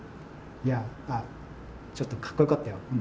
いやちょっと格好良かったよ。